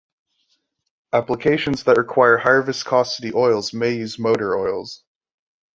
Applications that require higher viscosity oils may use motor oils.